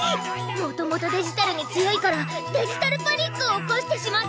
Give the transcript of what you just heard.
もともとデジタルに強いからデジタルパニックを起こしてしまったのにゃ。